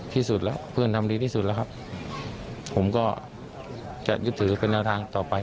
ที่สุดแล้วเพื่อนทำดีที่สุดแล้วครับผมก็จะยึดถือเป็นแนวทางต่อไป